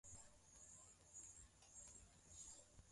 Jana nilienda kumazowezi ya wa vijana